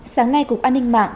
sáng nay cục an ninh mạng